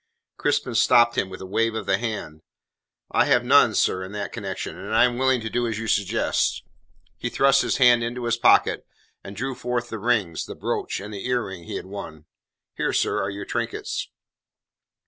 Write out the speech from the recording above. Crispin stopped him with a wave of the hand. "I have none, sir, in that connexion, and I am willing to do as you suggest." He thrust his hand into his pocket, and drew forth the rings, the brooch and the ear ring he had won. "Here, sir, are your trinkets."